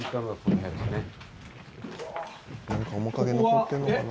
「なんか面影残ってるのかな？」